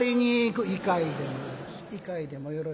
「行かいでもよろしい。